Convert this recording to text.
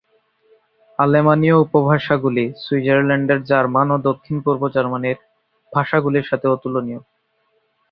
আলেমানীয় উপভাষাগুলি সুইজারল্যান্ডের জার্মান ও দক্ষিণ-পূর্ব জার্মানির ভাষাগুলির সাথে তুলনীয়।